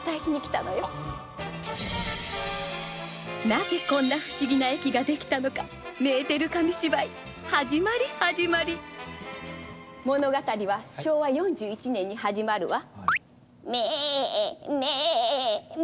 なぜこんな不思議な駅ができたのかメーテル紙芝居始まり始まり物語は昭和４１年に始まるわ。